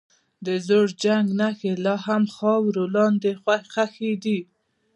د زوړ جنګ نښې لا هم خاورو لاندې ښخي دي.